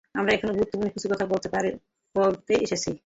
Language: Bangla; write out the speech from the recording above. আমরা এখানে গুরুত্বপূর্ণ কিছু কথা বলতে এসেছি।